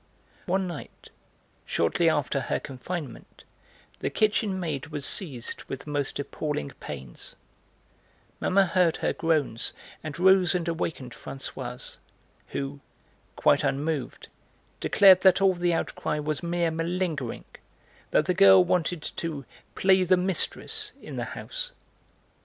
One night, shortly after her confinement, the kitchen maid was seized with the most appalling pains; Mamma heard her groans, and rose and awakened Françoise, who, quite unmoved, declared that all the outcry was mere malingering, that the girl wanted to 'play the mistress' in the house.